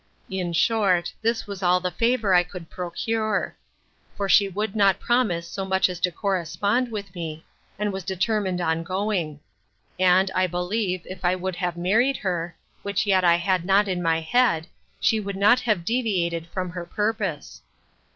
In short, this was all the favour I could procure; for she would not promise so much as to correspond with me, and was determined on going: and, I believe, if I would have married her, which yet I had not in my head, she would not have deviated from her purpose.